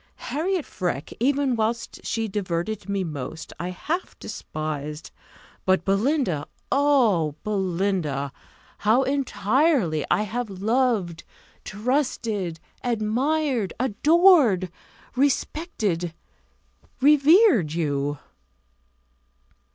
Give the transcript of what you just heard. Harriot Freke, even whilst she diverted me most, I half despised. But Belinda! Oh, Belinda! how entirely have I loved trusted admired adored respected revered you!"